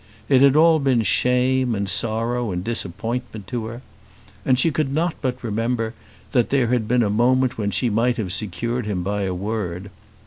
It had all been shame, and sorrow, and disappointment to her. And she could not but remember that there had been a moment when she might have secured him by a word.